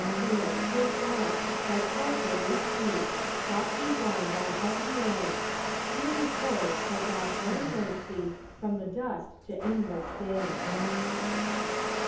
There, 'tis done! thy couch awaits thee! Softly down thy head we lay; Here repose, till God translates thee From the dust to endless day!